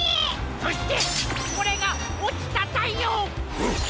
そしてこれが「おちたたいよう」！